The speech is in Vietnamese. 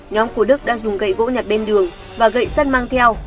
nhóm của đức đã dùng gậy gỗ nhặt bên đường và gậy sắt mang theo